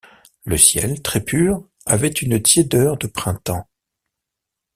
Le ciel, très pur, avait une tiédeur de printemps.